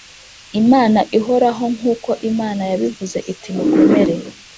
Imana ihoraho Nk uko Imana yabivuze iti mukomere